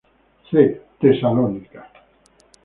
C: Tesalónica.